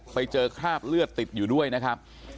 ไปเจอคราบเลือดติดอยู่ด้วยนะครับ